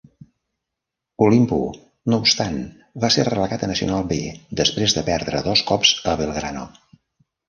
Olimpo, no obstant, va ser relegat a Nacional B després de perdre dos cops a Belgrano.